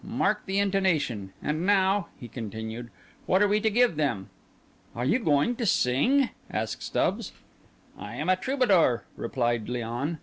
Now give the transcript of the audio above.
Mark the intonation. And now," he continued, "what are we to give them?" "Are you going to sing?" asked Stubbs. "I am a troubadour," replied Léon.